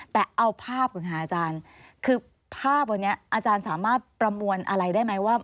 แต่เอาภาพก่อนค่ะอาจารย์คือภาพวันนี้อาจารย์สามารถประมวลอะไรได้ไหมว่า